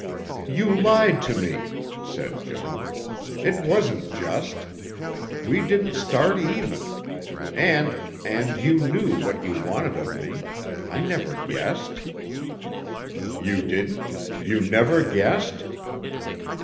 "You lied to me," said Joan. "It wasn't just. We didn't start even. And and you knew what you wanted of me. I never guessed." "You didn't? You never guessed?"